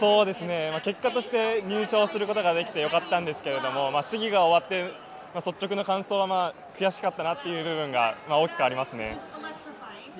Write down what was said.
結果として入賞することができて良かったんですけど、試技が終わって率直な感想は、悔しかったなという部分が大きくありますね。